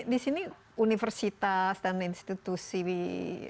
di sini universitas dan institusi lembaga riset lain